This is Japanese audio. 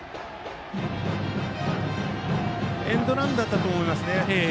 エンドランだったと思いますね。